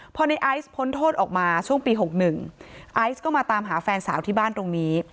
พอในไอซ์พ้นโทษออกมาช่วงปี๖๑ไอซ์ก็มาตามหาแฟนสาวที่บ้านตรงนี้